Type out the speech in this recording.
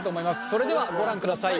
それではご覧ください。